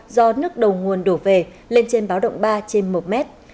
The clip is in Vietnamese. do nước đầu nguồn đổ về lên trên báo động ba trên một mét